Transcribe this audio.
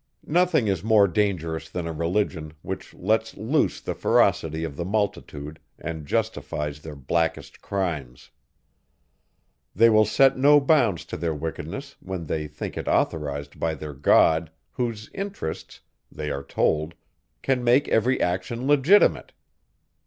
Nothing is more dangerous than a religion, which lets loose the ferocity of the multitude, and justifies their blackest crimes. They will set no bounds to their wickedness, when they think it authorized by their God, whose interests, they are told, can make every action legitimate.